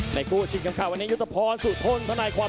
ในคู่ชิงเฉิมขัดวันนี้ยุตภพรสุธนธนายความ